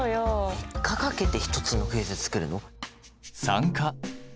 ３日かけて１つのクイズ作るの？